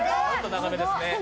長めですね。